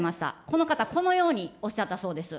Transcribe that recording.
この方、このようにおっしゃったそうです。